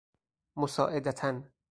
مساعدتاً